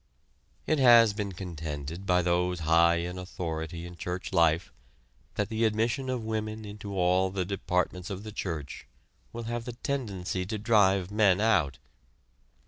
It has been contended by those high in authority in church life, that the admission of women into all the departments of the church will have the tendency to drive men out.